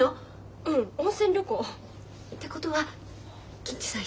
うん温泉旅行。ってことは銀次さん